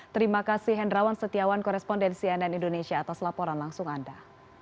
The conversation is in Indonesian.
terima kasih hendrawan setiawan korespondensi ann indonesia atas laporan langsung anda